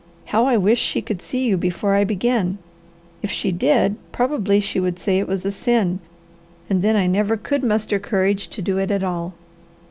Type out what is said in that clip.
"How I wish she could see you before I begin. If she did, probably she would say it was a sin, and then I never could muster courage to do it at all.